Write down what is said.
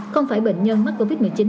không phải bệnh nhân mắc covid một mươi chín